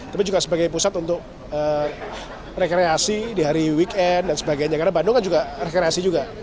tapi juga sebagai pusat untuk rekreasi di hari weekend dan sebagainya karena bandung kan juga rekreasi juga